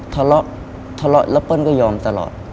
ทะเลาะแล้วเปิ้ลก็ยอมตลอด